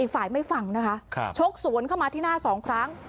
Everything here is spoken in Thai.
อีกฝ่ายไม่ฟังนะคะครับชกสวนเข้ามาที่หน้าสองครั้ง